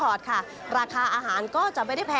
เป็นอย่างไรนั้นติดตามจากรายงานของคุณอัญชาฬีฟรีมั่วครับ